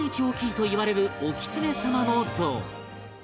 大きいといわれるおキツネ様の像